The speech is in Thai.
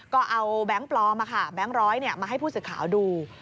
ก็เอาแบงค์ปลอมแบงค์ร้อยมาให้ผู้สื่อข่าวดู